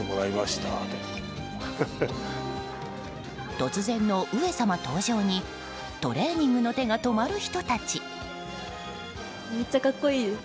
突然の上様登場にトレーニングの手が止まる人たち。